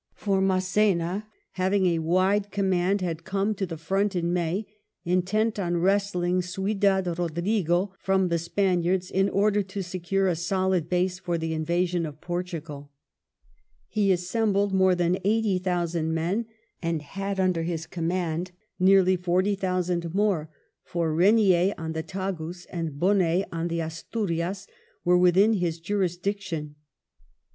For Mass^na, having a wide command, had come to the front in May, intent on wresting Ciudad Bodrigo from the Spaniards in order to secure a solid base for the invasion of Portugal He assembled more than eighty thousand men, and had under his control nearly forty thousand more ; for Regnier on the Tagus and Bonnet in the Asturias were within his jurisdiction.